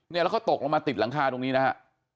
แล้วเขาตกลงมาติดหลังคาตรงนี้นะฮะ